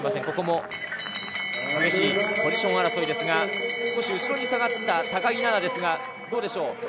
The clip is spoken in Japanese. ここも激しいポジション争いですが、少し後ろに下がった高木菜那ですが、どうでしょう？